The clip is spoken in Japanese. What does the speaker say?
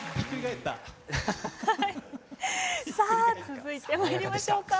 さあ続いてまいりましょうか。